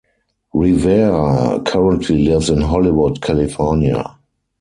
Rivera currently lives in Hollywood, California.